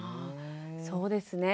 そうですね。